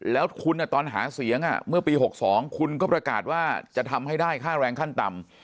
แล้วคุณตอนหาเสียงเมื่อปี๖๒คุณก็ประกาศว่าจะทำให้ได้ค่าแรงขั้นต่ำ